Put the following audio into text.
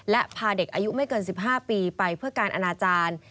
และพาเด็กอายุไม่เกิน๑๕ปีไปเพื่อการอนาจารย์